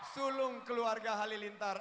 sulung keluarga halilintar